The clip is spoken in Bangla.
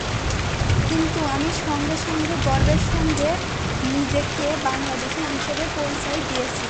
কিন্তু আমি সঙ্গে সঙ্গে গর্বের সঙ্গে নিজেকে বাংলাদেশি হিসেবে পরিচয় দিয়েছি।